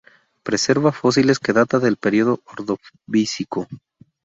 Preserva fósiles que data del periodo Ordovícico.